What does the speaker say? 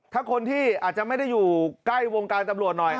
ถ้าคนที่อาจจะไม่ได้อยู่ใกล้วงการตำรวจหน่อย